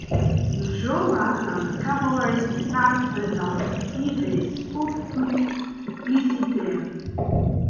Il jouera dans des cabarets-spectacles et dans divers spots publicitaires.